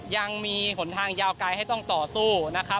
ยังมีหนทางยาวไกลให้ต้องต่อสู้นะครับ